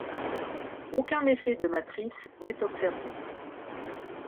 Aucun effet de matrice n’est observé.